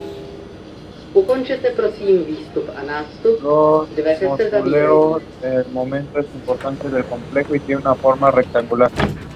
En el apartado colectivo el conjunto "txuri-urdin" tampoco consigue el ansiado ascenso.